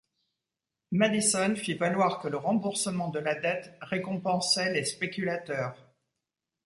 Madison fit valoir que le remboursement de la dette récompensait les spéculateurs.